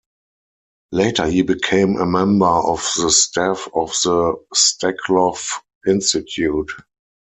Later he became a member of the staff of the Steklov Institute.